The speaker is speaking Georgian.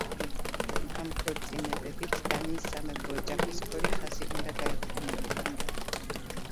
ამ ქორწინებებით დანიის სამეფო ოჯახის ორი ხაზი უნდა გაერთიანებულიყო.